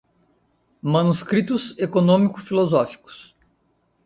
Manuscritos Econômico-Filosóficos